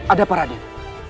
ada para adik